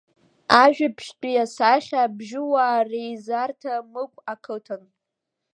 Ажәибжьтәи асахьа Абжьуаа реизарҭа Мықә ақыҭан.